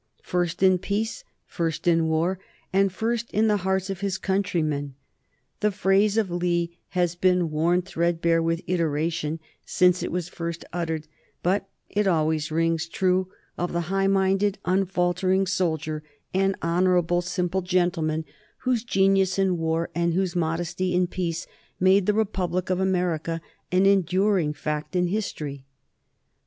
"First in peace, first in war, and first in the hearts of his country men." The phrase of Lee has been worn threadbare with iteration since it was first uttered, but it always rings true of the high minded, unfaltering soldier and honorable, simple gentleman whose genius in war and whose modesty in peace made the republic of America an enduring fact in history.